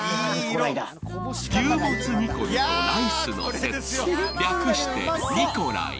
牛もつ煮込みとライスのセット、略してニコライ。